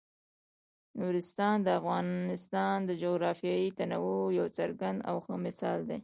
نورستان د افغانستان د جغرافیوي تنوع یو څرګند او ښه مثال دی.